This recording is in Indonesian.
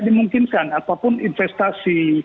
dimungkinkan apapun investasi